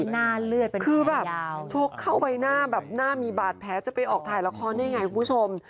หน้าเลือดเป็นหน้ายาวคือแบบโชคเข้าไปหน้าหน้ามีบาดแพ้จะไปออกถ่ายละครได้ไงคุณผู้ชม